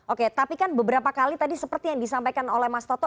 oke tapi kan beberapa kali tadi seperti yang disampaikan oleh mas toto